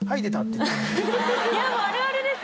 いやもうあるあるです！